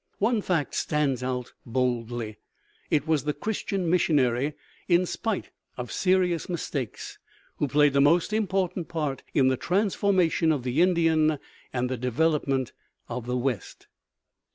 One fact stands out boldly: it was the Christian missionary, in spite of serious mistakes, who played the most important part in the transformation of the Indian and the development of the West.